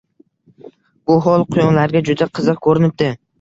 Bu hol quyonlarga juda qiziq ko’rinibdi